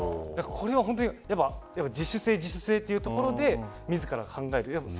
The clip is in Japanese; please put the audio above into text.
これは自主性、自主性というところで自ら考える。